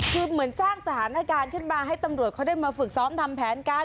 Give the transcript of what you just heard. คือเหมือนสร้างสถานการณ์ขึ้นมาให้ตำรวจเขาได้มาฝึกซ้อมทำแผนกัน